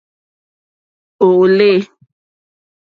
Òòle.